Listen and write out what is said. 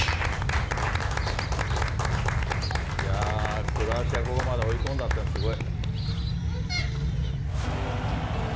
やー、クロアチアをここまで追い込んだっていうのはすごい。